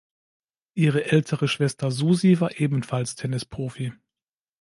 Ihre ältere Schwester Susie war ebenfalls Tennisprofi.